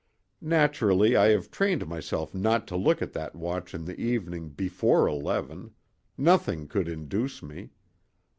Naturally I have trained myself not to look at that watch in the evening before eleven; nothing could induce me.